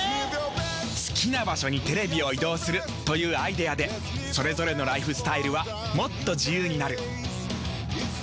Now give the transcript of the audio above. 好きな場所にテレビを移動するというアイデアでそれぞれのライフスタイルはもっと自由になる。